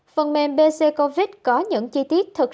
phần mềm bccovid có những chi tiết thực tế